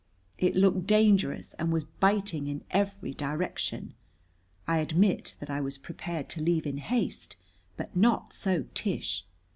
It looked dangerous, and was biting in every direction. I admit that I was prepared to leave in haste, but not so Tish.